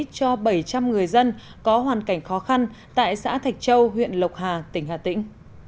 cho bảy trăm linh người dân có hoàn cảnh khó khăn tại xã thạch châu huyện lộc hà tỉnh hà tĩnh